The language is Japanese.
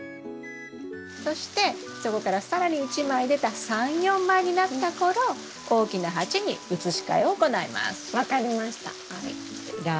そしてそこから更に１枚出た３４枚になった頃大きな鉢に移し替えを行います。